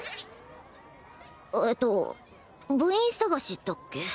えっと部員探しだっけ？